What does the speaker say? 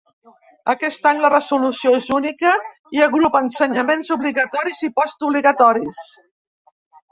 Aquest any la resolució és única i agrupa ensenyaments obligatoris i postobligatoris.